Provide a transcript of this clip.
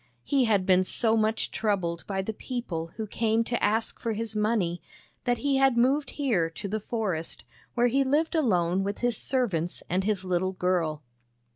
He had been so much troubled by the people who came to ask for his money, that he had moved here to the forest, where he lived alone with his servants and his little girl.